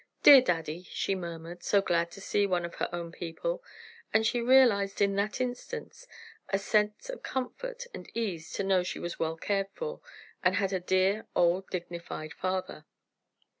"Dear daddy!" she murmured, so glad to see one of her own people, and she realized in that instant a sense of comfort and ease to know she was well cared for, and had a dear, old dignified father.